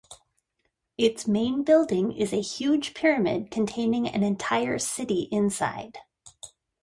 Its main building is a huge pyramid containing an entire city inside.